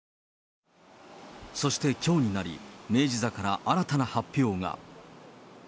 そしてきょうになり、明治座から新たな発表が。